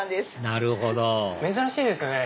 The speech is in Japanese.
なるほど珍しいですよね